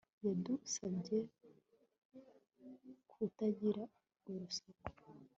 Yadusabye kutagira urusaku